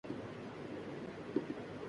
صد گلستاں نِگاه کا ساماں کئے ہوے